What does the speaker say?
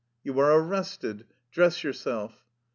''" You are arrested. Dress yourself."